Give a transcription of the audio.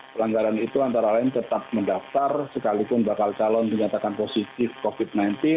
pelanggaran itu antara lain tetap mendaftar sekalipun bakal calon dinyatakan positif covid sembilan belas